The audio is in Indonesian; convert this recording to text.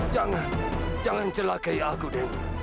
jangan jangan celakai aku deh